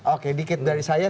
oke dikit dari saya